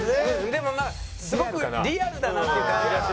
でもまあすごくリアルだなっていう感じがしますね。